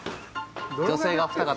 女性がお二方